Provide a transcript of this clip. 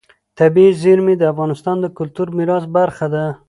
طبیعي زیرمې د افغانستان د کلتوري میراث برخه ده.